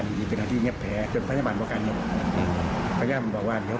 เดี๋ยวพ่อได้ก็ให้หมอให้หมอมาเยี่ยมแล้ว